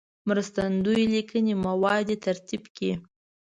مرستندوی لیکلي مواد دې ترتیب کړي.